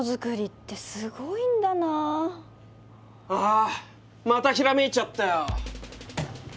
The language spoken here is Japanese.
あまたひらめいちゃったよ。